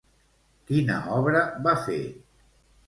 Quina obra va fer?